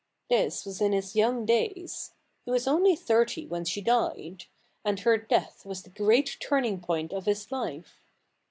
This was in his young days. He was only thirty when she died ; and her death was the great turning point of his life.